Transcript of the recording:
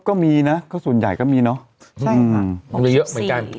ก็มีนะก็ส่วนใหญ่ก็มีเนอะก็เลยเยอะเหมือนกัน